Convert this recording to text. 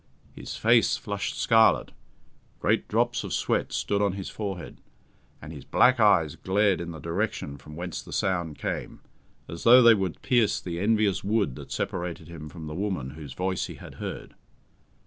His face flushed scarlet, great drops of sweat stood on his forehead, and his black eyes glared in the direction from whence the sound came, as though they would pierce the envious wood that separated him from the woman whose voice he had heard.